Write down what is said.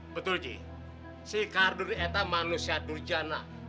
betul ji si kardun itu manusia durjana